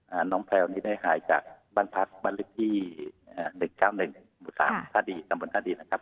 ก็น้องแพลวนี้ได้หายจากบ้านพักบ้านลึกที่๑๙๑หมู่๓ท่านบนท่านดีนะครับ